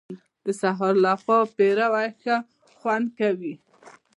د سهار له خوا پېروی ښه خوند کوي .